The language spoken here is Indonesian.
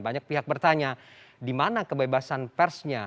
banyak pihak bertanya di mana kebebasan persnya